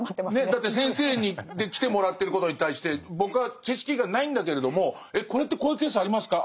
だって先生に来てもらってることに対して僕は知識がないんだけれども「これってこういうケースありますか？